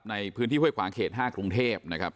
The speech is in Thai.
ในพื้นที่ห้วยขวางเขต๕กรุงเทพนะครับ